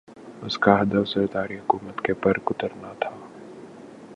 اس کا ہدف زرداری حکومت کے پر کترنا تھا۔